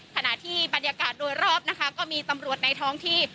ขณะที่บรรยากาศโดยรอบนะคะก็มีตำรวจในท้องที่